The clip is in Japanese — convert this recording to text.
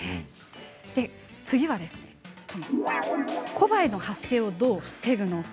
次はコバエの発生をどう防ぐのか。